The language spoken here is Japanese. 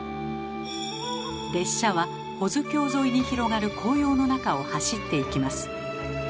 列車は保津峡沿いに広がる紅葉の中を走っていきます。